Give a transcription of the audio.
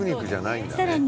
さらに。